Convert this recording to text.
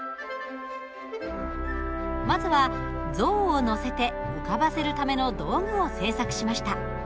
まずは象を乗せて浮かばせるための道具を製作しました。